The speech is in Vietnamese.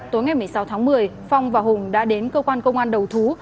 tối ngày một mươi sáu tháng một mươi phong và hùng đã đến cơ quan công an đầu thú